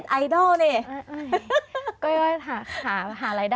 อ๋อเราต้องขายเยอะไหมลูก